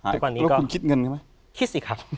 แล้วคุณคิดเงินไหมคิดสิครับ